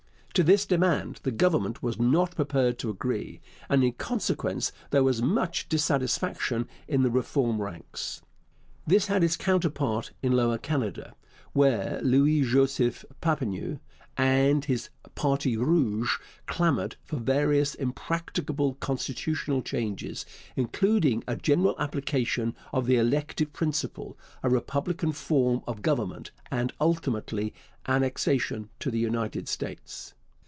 To this demand the Government was not prepared to agree, and in consequence there was much disaffection in the Reform ranks. This had its counterpart in Lower Canada, where Louis Joseph Papineau and his Parti Rouge clamoured for various impracticable constitutional changes, including a general application of the elective principle, a republican form of government, and, ultimately, annexation to the United States.